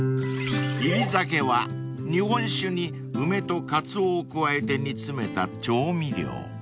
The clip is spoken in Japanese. ［煎り酒は日本酒に梅とカツオを加えて煮詰めた調味料］